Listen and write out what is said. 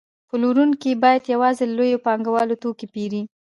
پلورونکي باید یوازې له لویو پانګوالو توکي پېرلی